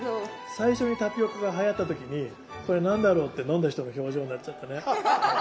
最初にタピオカがはやった時に「これ何だろう？」って飲んだ人の表情になっちゃったね。